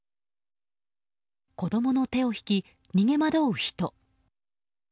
子供の手を引き、逃げ惑う人。